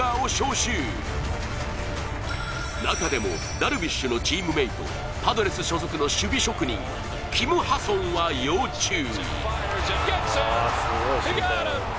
中でもダルビッシュのチームメイト、パドレス所属のキム・ハソンは要注意。